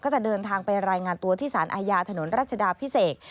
จะเดินทางไปรายงานตัวที่สารอาญาถนนรัชดาพิเศษ